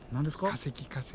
化石化石。